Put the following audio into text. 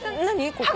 ここ。